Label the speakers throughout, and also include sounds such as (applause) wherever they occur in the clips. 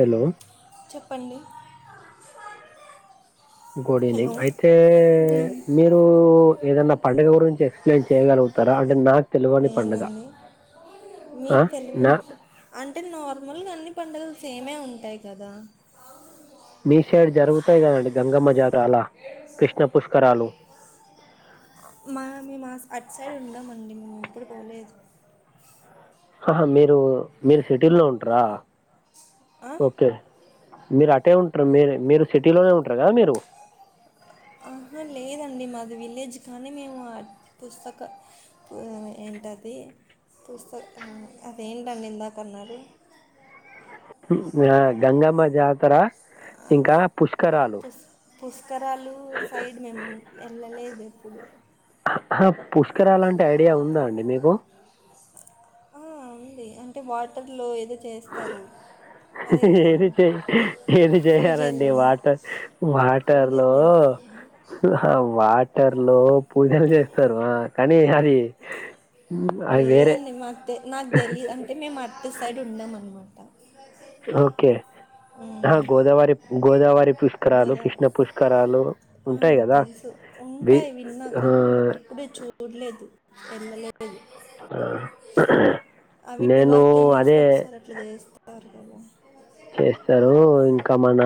Speaker 1: Hello
Speaker 2: చెప్పండి hello
Speaker 1: good evening అయితే
Speaker 2: good
Speaker 1: మీరు ఏదన్నా పండుగ గురించి ఎక్స ప్లయిన్ చేయగలుగుతారా అంటే నాకు తెలవని పండుగ
Speaker 2: ఆ
Speaker 1: ఆ?
Speaker 2: మీకు
Speaker 1: నా
Speaker 2: తెలువని అంటే నార్మల్గా అన్ని పండుగలు సేమే ఉంటాయి కదా
Speaker 1: మీ సైడ్ జరుగుతాయి కద అండి గంగమ్మ జాతర అలా కృష్ణ పుష్కరాలు
Speaker 2: మా మేము అట్ సైడ్ ఉండమండి మేము ఎప్పుడు పోలేదు
Speaker 1: ఆహా మీరు మీరు సిటీల్లో ఉంటరా
Speaker 2: ఆ?
Speaker 1: ఓకే మీరు అటే ఉంటరు మీరు మీరు సిటీలోనే ఉంటరు కదా మీరు
Speaker 2: ఆహా లేదండి మాది విలేజ్ కానీ మేము ఆ పుస్తక హ్మ్ ఏంటది కుస్త ఆ అదేంటండి ఇందాకన్నారు
Speaker 1: మ్య గంగమ్మ జాతర ఇంకా పుష్కరాలు
Speaker 2: పుస్ పుష్కరాలు సైడ్ మేము ఎల్లలేదు ఎప్పుడు
Speaker 1: హా పుష్కరాలంటే ఐడియా ఉందా అండి మీకు
Speaker 2: ఆ ఉంది అంటే వాటర్లో ఏదో చేస్తారు అదే కదా!
Speaker 1: ఏది చెయ్ ఏది చెయరండి
Speaker 2: పూజలు.
Speaker 1: వాటర్ వాటర్
Speaker 2: పూజలు
Speaker 1: లో
Speaker 2: చేస్తారు.
Speaker 1: ఆ వాటర్ లో పూజలు చేస్తారు ఆ కానీ అది అది వేరే
Speaker 2: లేదండి మాకు తె నాకు తెలీద్ అంటే మేము అటు సైడ్ ఉండము అనమాట
Speaker 1: ఓకే హ
Speaker 2: హ్మ్.
Speaker 1: గోదావరి గోదావరి పుష్కరాలు
Speaker 2: గోదా
Speaker 1: కృష్ణ పుష్కరాలు
Speaker 2: ఆ
Speaker 1: ఉంటాయి కదా
Speaker 2: తెలుసు
Speaker 1: వి
Speaker 2: ఉంటాయి విన్నా
Speaker 1: ఆ
Speaker 2: కానీ నేను ఎప్పుడూ చూడలేదు వెళ్లలే
Speaker 1: ఆ నేను అదే
Speaker 2: అట్ల చేస్తారు కదా
Speaker 1: చేస్తారు ఇంకా మన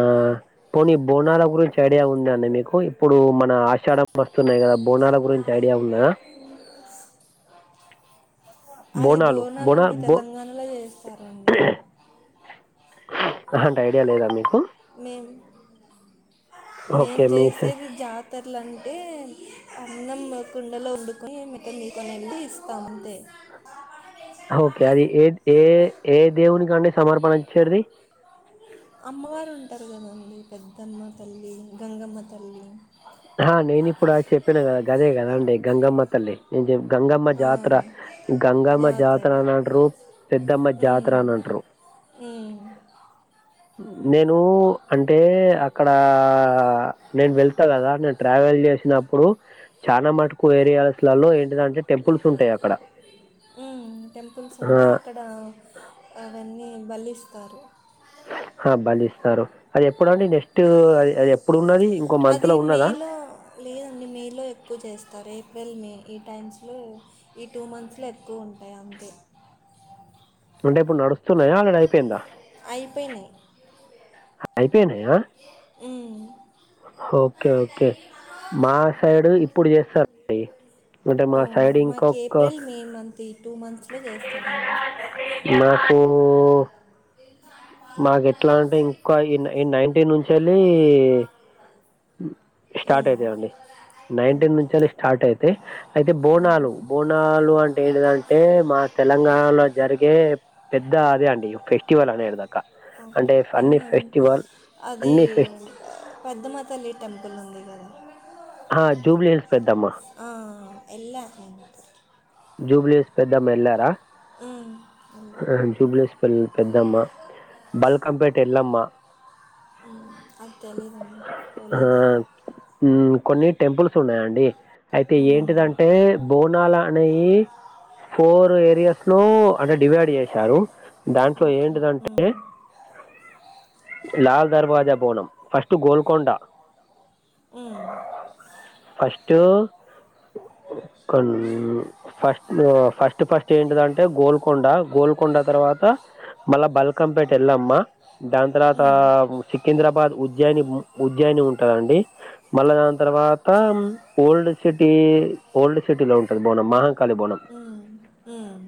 Speaker 1: పోనీ బోనాల గురించి ఐడియా ఉందా అండి మీకు ఇప్పుడు మన ఆషాడం వస్తున్నాయి కదా బోనాల గురించి ఐడియా ఉన్నదా
Speaker 2: అది
Speaker 1: బోనాలు బోనా
Speaker 2: బోనాలన్నీ
Speaker 1: బో
Speaker 2: తెలంగాణలో చేస్ స్తారండి ఇగ
Speaker 1: అంటే ఐడియా లేదా మీకు
Speaker 2: నేను
Speaker 1: ఓకే మీ సై-
Speaker 2: జెసేది జ తరలు అంటే అన్నం కుండలో ఉడుకొని మిత నీకు ఇస్త అంతే
Speaker 1: ఓకే అది ఏ ఏ ఏ దేవుని కాండి సమర్పణ ఇచ్చేదిది
Speaker 2: అమ్మవారు ఉంటారు కదండి పెద్దమ్మ తల్లి గంగమ్మ తల్లి
Speaker 1: ఆ నేను ఇప్పుడు అ చెప్పిన కదా గదే కదా అండి గంగమ్మ తల్లి నేను గంగమ్మ
Speaker 2: ఆ,
Speaker 1: జాతర గంగమ్మ జాతర అని అంటరు పెద్దమ్మ జాతర అని అంటారు
Speaker 2: ఉ
Speaker 1: నేను అంటే అక్కడ నేను వెళ్తా కదా నేను ట్రావెల్ చేసినప్పుడు చాల మటుకు ఏరియాస్లలో ఏంటి దంటే
Speaker 2: హామ్ టెంపుల్స్ ఉంటాయి
Speaker 1: ఆ,
Speaker 2: అక్కడ అవన్నీ బలిస్తారు
Speaker 1: ఆ బలిస్తారు అది ఎప్పుడండి నెక్స్ట్ అ అది ఎప్పుడున్నది
Speaker 2: అది మే లో లేదండి మే లో ఎక్కువ చేస్తరు ఏప్రిల్ మే ఈ టైమ్స్ లో ఈ టూ మంత్స్ లో ఎక్కువ ఉంటాయి అంతే
Speaker 1: అంటే ఇప్పుడు నడుస్తున్నాయా లేదా అయిపోయిందా
Speaker 2: అయిపోయినాయి
Speaker 1: అయిపోయినాయా
Speaker 2: హు
Speaker 1: ఓకే ఓకే మా సైడు ఇప్పుడు చేస్తారండీ
Speaker 2: ఓ మాకు ఏప్రిల్ మే మంత్ ఈ టూ మంత్స్లో చేస్తారండి
Speaker 1: మాకు
Speaker 2: ా
Speaker 1: మాకు ఎట్లా అంటే ఇంకా ఈ నైన్టీన్ నుంచెల్లి స్టార్ట్
Speaker 2: హ్మ్.
Speaker 1: అయితండి నైన్టీన్ నుంచి అని స్టార్ట్ అయితే అయితే బోనాలు
Speaker 2: ఆహా!
Speaker 1: బోనాలు అంటే ఏంటిదంటే మా తెలంగాణలో జరిగే పెద్ద అదే అండి ఫెస్టివల్ అదేండి
Speaker 2: ఓకే అధీ
Speaker 1: అన్ని ఫెస్ట్
Speaker 2: పెద్దమ్మ తల్లి టెంపుల్ ఉంది కదా
Speaker 1: ఆ జూబ్లీ హిల్స్ పెద్దమ్మ
Speaker 2: తెలుసు. ఆ ఆ ఎల్లా (unintelligible)
Speaker 1: జూబ్లిస్ పెద్దమ్మ ఎల్లార
Speaker 2: హ్మ్. ఎళ్ళా.
Speaker 1: జూబ్లిస్ (unintelligible) పెద్దమ్మా బల్కకం పేట్ ఎళ్ళమ్మా
Speaker 2: అది తెలీదుండి
Speaker 1: ఆ
Speaker 2: పోలీస్
Speaker 1: కొన్ని టెంపుల్స్ ఉన్నాయంండి అయితే
Speaker 2: హ్మ్.
Speaker 1: ఏంటిదంటే బోనాల ఈ ఫోర్ ఏరియాస్ లో అంటే డివైడ్ చేశారు దాంట్లో
Speaker 2: ఓకే.
Speaker 1: ఏంటిదంటే
Speaker 2: హ్మ్.
Speaker 1: లాల్ దర్వాజా పోనం ఫస్ట్ గోల్కొండ
Speaker 2: హు
Speaker 1: ఫస్ట్ (unintelligible) ఫస్ట్ ఫస్ట్ ఫస్ట్ ఏంటిదంటే గోల్కొండ గోల్కొండ తర్వాత మళ్ళ బల్కం పేట్ ఎళ్లమ్మ దాని తర్వాత
Speaker 2: హ్మ్.
Speaker 1: సికింద్రాబాద్ ఉజ్జయిని ఉజ్జయిని ఉంటదండి మళ్ళా దాని తర్వాత
Speaker 2: సో
Speaker 1: ఓల్డ్ సిటీ ఓల్డ్ సిటీలో ఉంటది బాన (unintelligible) కాలిబోణం
Speaker 2: హ్మ్. హ్మ్.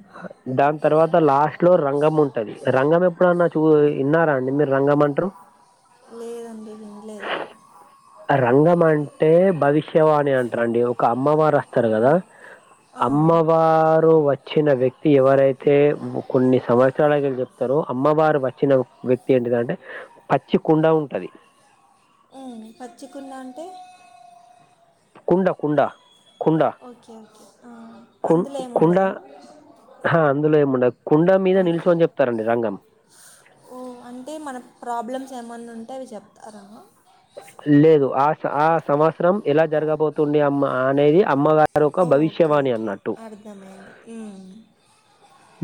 Speaker 1: దాని తర్వాత లాస్ట్ లో రంగం ఉంటది రంగం ఎప్పుడన్నా చూ విన్నారా అండి మీరు రంగం అంటారు
Speaker 2: లేదండి విన్లేదు
Speaker 1: రంగం అంటే భవిష్యవాణి అంటారు అండి ఒక అమ్మవారు వస్తారు
Speaker 2: ఆహా!
Speaker 1: కదా
Speaker 2: ఆ!
Speaker 1: అమ్మవారు వచ్చిన వ్యక్తి ఎవరైతే కొన్ని సంవత్సరాల తారో అమ్మవారు వచ్చిన వ్యక్తి ఏంటిదంటే పచ్చి కుండ ఉంటది
Speaker 2: ఉ పచ్చికుండ అంటే
Speaker 1: కుండ కుండ కుండ,
Speaker 2: ఓకే ఓకే ఆ అందులో ఏమి ఉండదా
Speaker 1: హా అందులో ఏమీ ఉండదు కుండ మీద
Speaker 2: ఓకే
Speaker 1: నిల్చోని చెప్తారండి రంగం
Speaker 2: ఓ అంటే మన ప్రాబ్లమ్స్ ఏమన్నా ఉంటే అవి చెప్తారా
Speaker 1: లేదు ఆ ఆ సంవత్సరం ఎలా జరగబోతుంది అమ్మ అనేది అమ్మగారు మరొక భవిష్యవాణి అన్నట్టు
Speaker 2: నమే హుమ్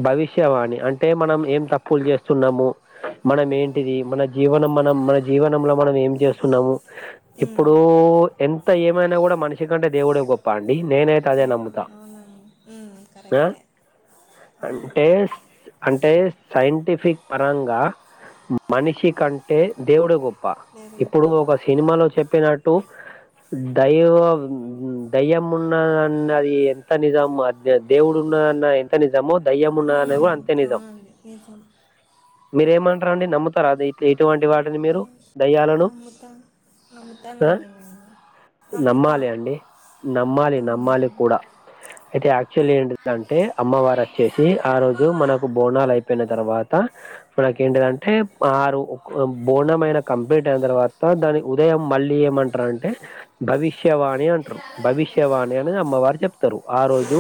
Speaker 1: భవిష్యవాణి అంటే మనం ఏం తప్పులు చేస్తున్నాము మనం ఏంటిది మన జీవనం మనం మన జీవనంలో మనం ఏం చేస్తున్నాము
Speaker 2: ఉమ్,
Speaker 1: ఇప్పుడు ఎంత ఏమైనా కూడా మనిషి కంటే దేవుడే గొప్ప అండి నేనైతే అదే
Speaker 2: అవును,
Speaker 1: నమ్ముతా
Speaker 2: అవునండి ఉమ్ కరెక్ట్
Speaker 1: ఆ
Speaker 2: ఏ
Speaker 1: అంటే అంటే సైంటిఫిక్ పరంగా మనిషి కంటే దేవుడే గొప్ప
Speaker 2: దేవుడి గొప్ప
Speaker 1: ఇప్పుడు ఒక సినిమాలో చెప్పినట్టు దైవం దయ్యం ఉన్నది అది ఎంత నిజం అ దే దేవుడు ఉన్నది అన్నది ఎంత నిజమో దయ్యము ఉన్నది అన్నది
Speaker 2: ఉమ్,
Speaker 1: కూడా అంతే నిజం
Speaker 2: అవునండి నిజం
Speaker 1: మీరేమంటారండి నమ్ముతారా అది ఇటువంటి వాటిని మీరు దయ్యాలను
Speaker 2: ముత నమ్ముతాను
Speaker 1: ఆ
Speaker 2: నండి నేను నమ్ముతా
Speaker 1: నమ్మాలి అండి నమ్మాలి
Speaker 2: ఆ,
Speaker 1: నమ్మాలి కూడా అయితే యాక్చువల్ ఏంటిదంటే అమ్మవారు వచ్చేసి ఆ రోజు మనకు బోనాలు అయిపోయిన తర్వాత మనకి ఏంటదంటే ఆరు బోనం అయినా కంప్లీట్ అయిన తర్వాత దాని ఉదయం మళ్ళీ ఏమంట రా అంటే భవిష్యవాణి అంటారు భవిష్యవాణి అని అమ్మవారు చెప్తారు ఆ రోజు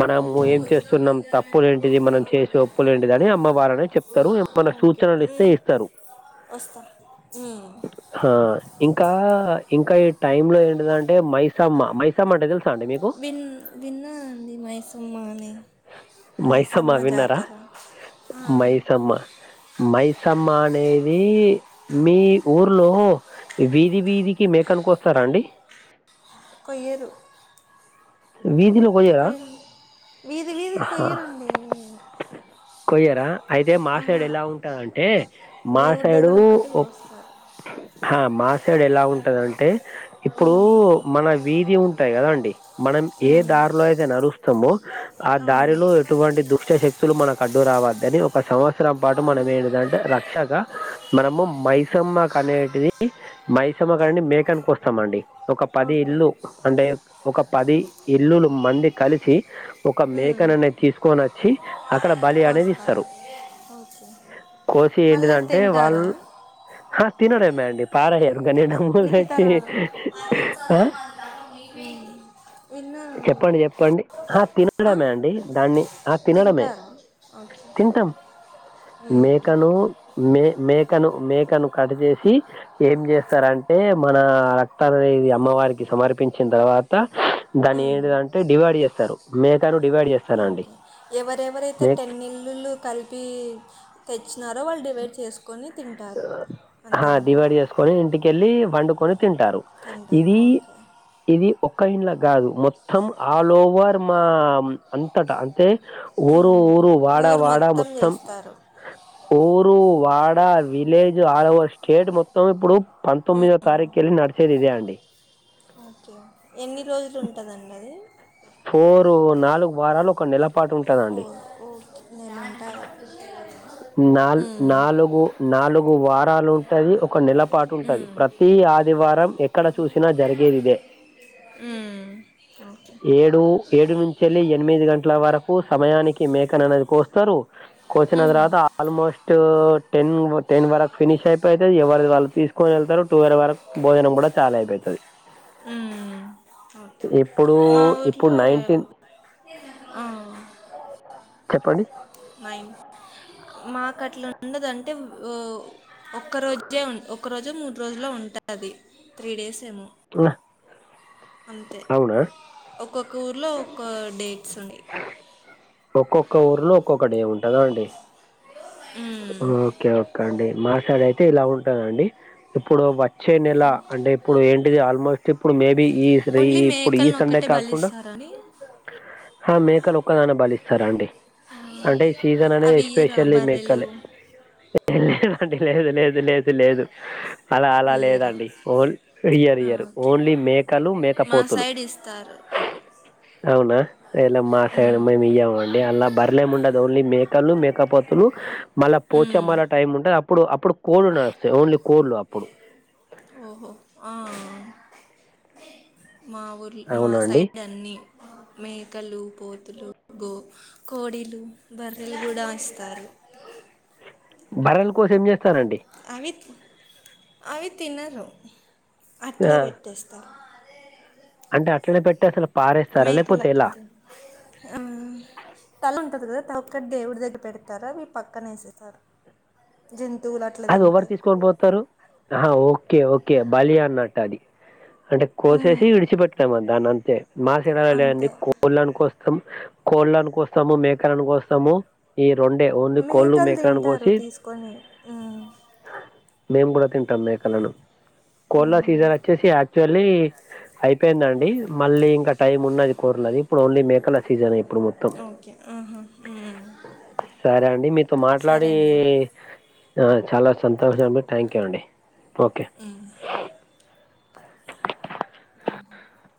Speaker 1: మనము ఏమీ చేస్తున్నాం తప్పులు ఏంటిది మనం చేసే ఒప్పులు ఏంటిది అని అమ్మవారు ఆనే చెప్తారు ఏమన్న
Speaker 2: ఓకే
Speaker 1: సూచనలు ఇస్తే
Speaker 2: ఉమ్,
Speaker 1: ఇస్తారు
Speaker 2: వస్తా ఉ
Speaker 1: ఆ ఇంకా ఇంకా ఈ టైమ్ లో ఏంటిద అంటే మైసామ్మ మైసామ్మ అంటే తెలుసా అండి మీకు
Speaker 2: విన్ విన్నానండీ మైసమ్మా అని మైసమ్మ జాతర ఆ
Speaker 1: మైసమ్మ. మైసమ్మ అనేది మీ ఊర్లో వీధి వీధికి మేకను కొస్తారా అండి
Speaker 2: కొయ్యరు
Speaker 1: వీధిలో కొయ్యరా?
Speaker 2: కొయ్యర్ వీధి వీధికి
Speaker 1: ఆహా!
Speaker 2: కొయ్యరండి
Speaker 1: కొయ్యరా అయితే మా సైడ్
Speaker 2: ఆహా
Speaker 1: ఎలా ఉంటది అంటే మా
Speaker 2: దేవుడి
Speaker 1: సైడు
Speaker 2: దగ్గర ఒక్కటి కోస్తారు
Speaker 1: ఆ మా సైడ్ ఎలా ఉంటదంటే ఇప్పుడు
Speaker 2: ఉమ్,
Speaker 1: మన వీధి ఉంటాయి కదా అండి మనం ఏ
Speaker 2: ఉమ్,
Speaker 1: దారిలో అయితే నడుస్తామో ఆ
Speaker 2: అవును
Speaker 1: దారిలో ఎటువంటి దుష్ట శక్తులు మనకు అడ్డు రావద్దని ఒక సంవత్సరం పాటు మనం ఏంటిదింటే రక్షగా మనము మైసమ్మ కనేటిది మైసమ్మ కాడనే మేకని కోస్తామ అండి ఒక పది
Speaker 2: ఓకే
Speaker 1: ఇల్లు అంటే ఒక పది ఇల్లులు మంది కలిసి ఒక
Speaker 2: ఉమ్,
Speaker 1: మేకననేది తీసుకొని వచ్చి అక్కడ బలి అనేది ఇస్తారు
Speaker 2: కోస్తారు ఓకే
Speaker 1: కోసి
Speaker 2: మళ్ళీ
Speaker 1: ఏంటిదంటే వాళ్
Speaker 2: తింటారా
Speaker 1: ఆ తినుడమే అండి పారేయ్యరు గనీ డబ్బులు తెచ్చి ఆ
Speaker 2: ఉమ్ ఇన్న
Speaker 1: చెప్పండి చెప్పండి ఆ తినడమే అండి దాన్ని ఆ తినడమే
Speaker 2: తింటారా
Speaker 1: తింటాం
Speaker 2: ఓకే
Speaker 1: మేకను మే మేకను మేకను కట్ చేసి ఏం చేస్తారంటే మన రక్తారని అమ్మవారికి సమర్పించిన తర్వాత దాని ఎడిదంటే డివైడ్ చేస్తారు మేకను డివైడ్ చే
Speaker 2: ఓకే ఎవరెవరైతే టెన్ ఇల్లులు కలిపి తెచ్చినారో వాళ్ళు డివైడ్ చేసుకొని తింటారు అంతేనాండి
Speaker 1: సుకొని ఇంటికెళ్లి వండుకొని తింటారు
Speaker 2: తింటారు
Speaker 1: ఇది,
Speaker 2: ఓకే
Speaker 1: ఇది ఒక ఇండ్లకు కాదు మొత్తం ఆల్ ఓవర్ మా అంతట అంతే ఊరు
Speaker 2: ఉమ్,
Speaker 1: ఊరు వాడా
Speaker 2: ఊరు
Speaker 1: వాడా మొత్తం
Speaker 2: చేస్తారు
Speaker 1: ఊరు వాడ విలేజ్ ఆల్ ఓవర్ స్టేట్ మొత్తం ఇప్పుడు
Speaker 2: ఉమ్,
Speaker 1: పంతొమ్మిదో తారీకెళ్ళి నడచేదీ ఇదే అండి
Speaker 2: ఓకే ఎన్ని రోజులు ఉంటదండి అది
Speaker 1: ఫోరూ నాలుగు వారాలు ఒక నెల పాటు ఉంట
Speaker 2: ఓ ఓకే నెలుంటదా
Speaker 1: నాల్ నాలుగు నాలుగు వారాలు ఉంటది ఒక నెలపాటు ఉంటది
Speaker 2: ఉమ్,
Speaker 1: ప్ర తి ఆదివారం ఎక్కడ చూసినా జరిగేది ఇదే
Speaker 2: ఉమ్మ్
Speaker 1: ఏడు ఏడు నుంచేళ్లి ఎనిమిది గంటల వరకు సమయానికి మేకను అనేది కోస్తారు సిన
Speaker 2: ఉమ్,
Speaker 1: తర్వాత ఆల్మోస్ట్ టెన్ టెన్ వరకు ఫినిష్ అయిపోతది ఎవరిది వాళ్ళు తీసు కొని ఎళ్తారు టువెల్ వరకు భోజనం కూడా చాలా అయిపోతది
Speaker 2: ఉమ్మ్
Speaker 1: ఇప్పుడు ఇప్పుడు
Speaker 2: ఊర్లో
Speaker 1: నైన్టీన్
Speaker 2: ఆ,
Speaker 1: చెప్పండి
Speaker 2: మాకట్ల ఉండదు అంటే ఓ ఒక్క రోజే ఒక్క రోజో మూడు రోజుల్లో ఉంటది త్రీ డేస్ ఏమో
Speaker 1: నా
Speaker 2: అంతే ఒక్కొక్క ఊర్లో ఒక్క డేట్స్ ఉండయ్
Speaker 1: ఆ ఒక్కొక్క ఊర్లో ఒక్కొక్క డే ఉంటదాండి ఓకే ఓకే అండి మా సైడ్ అయితే ఇలా ఉంటదండి ఇప్పుడు వ చ్చే నెల అంటే ఇప్పుడు ఏంటిది ఆల్మోస్ట్ ఇప్పుడు మేబీ ఈ రి
Speaker 2: ఓన్లీ
Speaker 1: ఇప్పుడు ఈ
Speaker 2: మేకలను
Speaker 1: సండే
Speaker 2: ఒక్కటే
Speaker 1: కాకుండా
Speaker 2: బలిస్తారని
Speaker 1: ఆ మేకలు ఒక్కదానే బలిస్తారు అండి
Speaker 2: ఆ,
Speaker 1: అంటే ఈ సీజన్ అనేది
Speaker 2: అవి ఇయ్యరా
Speaker 1: ఎస్పెషల్లీ
Speaker 2: బర్రెలు
Speaker 1: మేక్కలే ఏ లేదండి లేదు లేదు లేదు లేదు అలా అలా
Speaker 2: ఇయ్యరా
Speaker 1: లేదండి ఓన్ ఇయరు
Speaker 2: ఆ,
Speaker 1: ఇయరు
Speaker 2: ఓకే
Speaker 1: ఓన్లీ మేకలు
Speaker 2: మా
Speaker 1: మేకపోతులు
Speaker 2: సైడ్ ఇస్తారు
Speaker 1: అవునా ఎలా మా సైడు
Speaker 2: ఉమ్,
Speaker 1: మేమియమం డి అలా బర్లేముండదు ఓన్లీ మేకలు మేకపోతులు మళ్ళా
Speaker 2: ఉమ్,
Speaker 1: పోచమ్మల టైం ఉంటది అప్పుడు అప్పుడు కోళ్ళు నడుస్తాయి ఓన్లీ కోళ్ళ అప్పుడు
Speaker 2: ఓహో ఆ మా ఊర్ల్ మా
Speaker 1: అవునా అండి?
Speaker 2: సైడ్ అన్నీ మేకలు పోతులు గో కోడీలు బర్రెలు కూడా ఇస్తారు
Speaker 1: బర్రెలు కోసి ఏం చేస్తానండి
Speaker 2: అవి అవి తినరు
Speaker 1: ఆ!
Speaker 2: అట్లే పెట్టేస్తా
Speaker 1: అంటే అట్లనే పెట్టి అసలు పారేస్తారా లేపోతే ఎలా
Speaker 2: అం తలుంటంది కదా తక్కన దేవుడి దగ్గర పెడతారవి పక్కనేేసేతారు జింతువుల
Speaker 1: అది ఎవరు తీసుకొని పోతారు ఆ ఓకే ఓకే బలి అన్నట్టు అది అంటే కోసేసి
Speaker 2: ఉమ్,
Speaker 1: ఇడిచిపెట్తామా దాన్ని అంతే మా సైడ్ అలా లేదండి
Speaker 2: అంతే
Speaker 1: కోళ్ళని కోస్తం కోళ్ళని కోస్తాము మేకలను కోస్తాము ఈ రెండే ఓన్లీ కోళ్ళు మేకను కోసి
Speaker 2: కొని ఊ
Speaker 1: మేం కూడా తింటాం మేకలను కోళ్ళ
Speaker 2: ఉమ్,
Speaker 1: సీజన్ వచ్చేసి యాక్చువల్లీ అయిపోయిందండి మళ్ళీ ఇంకా టైం ఉన్నది కోరలది ఇప్పుడు ఓన్లీ మేకల సీజనే ఇప్పుడు ము తం
Speaker 2: ఓకే ఆహా, ఉమ్,
Speaker 1: సరే అండి మీతో
Speaker 2: సరే
Speaker 1: మాట్లాడి
Speaker 2: అండి
Speaker 1: ఆ చాలా సంతోషం అండి థ్యాంక్ యూ అండి ఓకే
Speaker 2: ఉమ్ అం హు